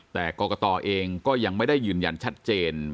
แต่กรกตเองก็ยังไม่ได้ยืนยันชัดเจน